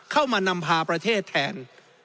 เข้ามานำพาประเทศแทน